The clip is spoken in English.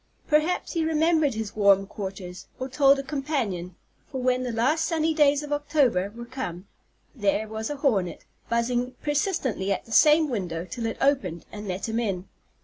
Perhaps he remembered his warm quarters, or told a companion; for when the last sunny days of October were come, there was a hornet, buzzing persistently at the same window till it opened and let him in.